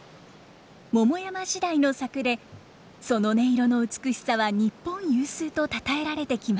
桃山時代の作でその音色の美しさは日本有数とたたえられてきました。